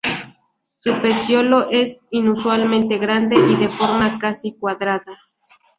Su peciolo es inusualmente grande y de forma casi cuadrada.